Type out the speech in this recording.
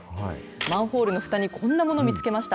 マンホールのふたにこんなもの見つけました。